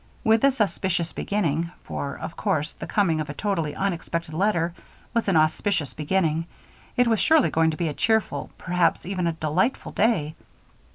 With this auspicious beginning, for of course the coming of a totally unexpected letter was an auspicious beginning, it was surely going to be a cheerful, perhaps even a delightful, day.